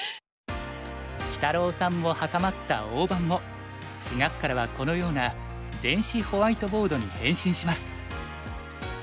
きたろうさんも挟まった大盤も４月からはこのような電子ホワイトボードに変身します。